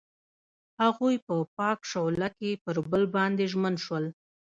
هغوی په پاک شعله کې پر بل باندې ژمن شول.